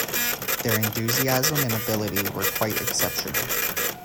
Their enthusiasm and ability were quite exceptional.